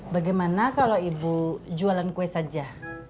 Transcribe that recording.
bagaimana kalau ibu jualan kue saja